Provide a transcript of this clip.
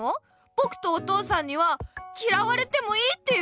ぼくとお父さんにはきらわれてもいいっていうの？